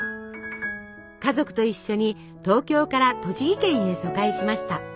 家族と一緒に東京から栃木県へ疎開しました。